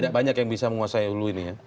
tidak banyak yang bisa menguasai hulu ini ya